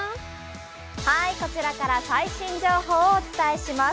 こちらから最新情報をお伝えします。